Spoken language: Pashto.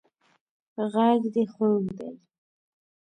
غږ دې خوږ دی